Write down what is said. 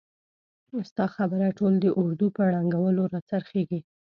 ستا خبره ټول د اردو په ړنګولو را څرخیږي!